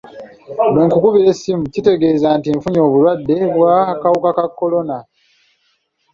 Bwe nkukubira essimu, kitegeeza nti nfunye obulwadde bw'akawuka ka kolona.